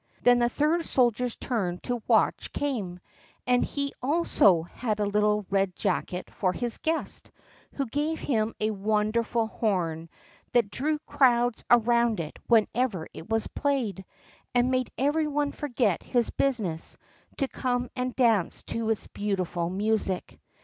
Then the third soldier's turn to watch came; and he also had little Red jacket for his guest, who gave him a wonderful horn, that drew crowds around it whenever it was played, and made every one forget his business to come and dance to its beautiful music.